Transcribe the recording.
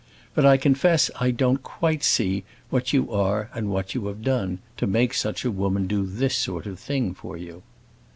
But I confess I don't see quite what you are and what you have done, to make such a woman do this sort of thing for you."